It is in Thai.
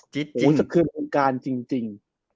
จี๊ดจริงสะเทือนวงการจริง